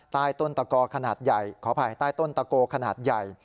ใต้ต้นตะกอขนาดใหญ่ขออภัยใต้ต้นตะโกขนาดใหญ่